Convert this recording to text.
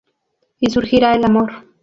Y surgirá el amor.